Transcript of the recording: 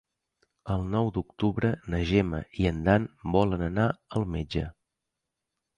El nou d'octubre na Gemma i en Dan volen anar al metge.